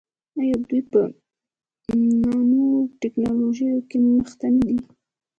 آیا دوی په نانو ټیکنالوژۍ کې مخکې نه دي؟